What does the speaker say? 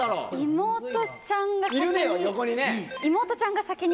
妹ちゃんが先に。